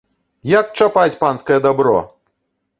Як чапаць панскае дабро!